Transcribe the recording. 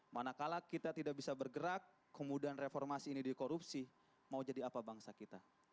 manakala kita tidak bisa bergerak kemudian reformasi ini dikorupsi mau jadi apa bangsa kita